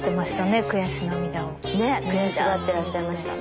ねっ悔しがってらっしゃいました。